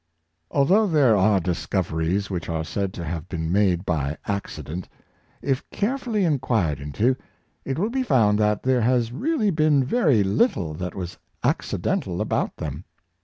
Although there are discoveries which are said to have been made by accident, if carefully inquired into, it will be found that there has really been very little that was accidental about them.